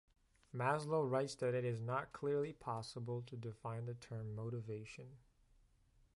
Maslow writes that it is not clearly possible to define the term motivation.